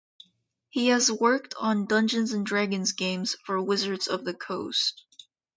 He has worked on "Dungeons and Dragons" games for Wizards of the Coast.